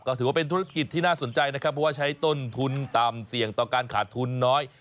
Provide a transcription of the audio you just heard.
ก็ถือว่าเป็นธุรกิจที่น่าสนใจนะครับเพราะว่าใช้ต้นทุนต่ำเสี่ยงต่อการขาดทุนน้อย